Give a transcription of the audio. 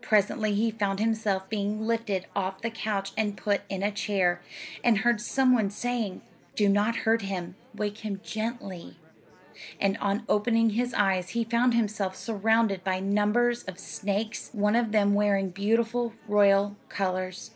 Presently he found himself being lifted off the couch and put in a chair, and heard some one saying: "Do not hurt him; wake him gently," and on opening his eyes he found himself surrounded by numbers of snakes, one of them wearing beautiful royal colors.